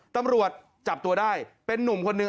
ตำรวจจับตัวได้เป็นนุ่มคนหนึ่ง